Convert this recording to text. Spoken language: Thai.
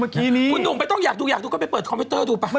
คุณหนุ่มไม่ต้องอยากดูอยากดูก็ไปเปิดคอมพิวเตอร์ดูไป